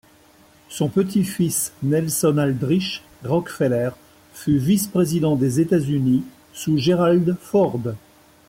Son petit-fils, Nelson Aldrich Rockefeller, fut vice-président des États-Unis sous Gerald Ford.